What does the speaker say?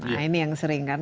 nah ini yang sering kan